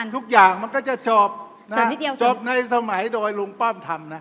ทุกอย่างมันก็จะจบในสมัยโดยลุงป้อมทำนะ